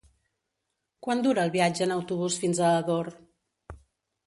Quant dura el viatge en autobús fins a Ador?